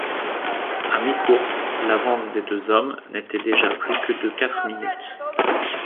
À mi-course, l'avance des deux hommes n'est déjà plus que de quatre minutes.